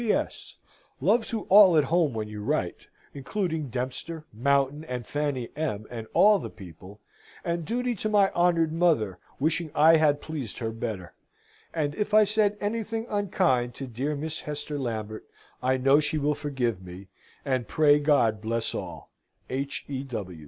"P.S. Love to all at home when you write, including Dempster, Mountain, and Fanny M. and all the people, and duty to my honoured mother, wishing I had pleased her better. And if I said anything unkind to dear Miss Hester Lambert, I know she will forgive me, and pray God bless all. H. E.